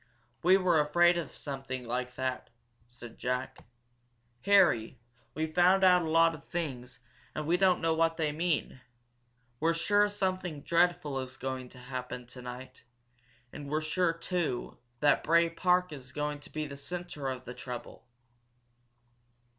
"We were afraid of something like that, said Jack. "Harry, we've found out a lot of things, and we don't know what they mean! We're sure something dreadful is going to happen tonight. And we're sure, too, that Bray Park is going to be the centre of the trouble."